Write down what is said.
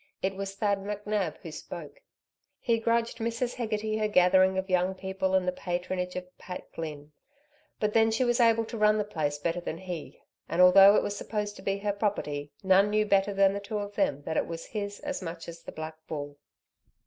It was Thad McNab who spoke. He grudged Mrs. Hegarty her gathering of young people and the patronage of Pat Glynn, but then she was able to run the place better than he, and although it was supposed to be her property, none knew better than the two of them that it was his as much as the Black Bull.